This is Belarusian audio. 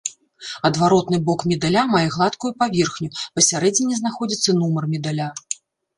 Адваротны бок медаля мае гладкую паверхню, пасярэдзіне знаходзіцца нумар медаля.